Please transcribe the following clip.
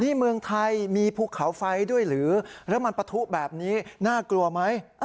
นี่เมืองไทยมีภูเขาไฟด้วยหรือแล้วมันปะทุแบบนี้น่ากลัวไหม